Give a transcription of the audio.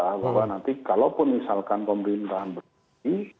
bahwa nanti kalaupun misalkan pemerintahan berhenti